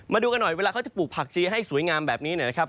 มาดูกันหน่อยเวลาเขาจะปลูกผักชีให้สวยงามแบบนี้นะครับ